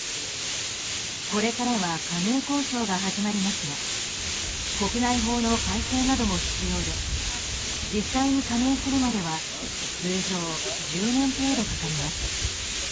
これからは加盟交渉が始まりますが国内法の改正なども必要で実際に加盟するまでは通常１０年程度かかります。